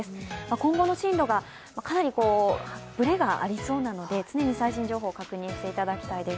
今後の進路が、かなりぶれがありそうなので常に最新情報を確認していただきたいです。